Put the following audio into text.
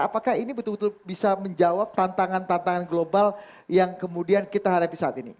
apakah ini betul betul bisa menjawab tantangan tantangan global yang kemudian kita hadapi saat ini